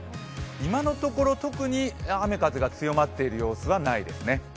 今のところ特に雨風が強まっている様子はないですね。